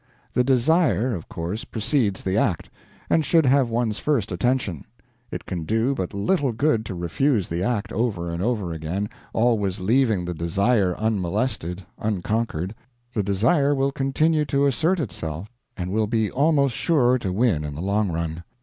The desire of course precedes the act, and should have one's first attention; it can do but little good to refuse the act over and over again, always leaving the desire unmolested, unconquered; the desire will continue to assert itself, and will be almost sure to win in the long run.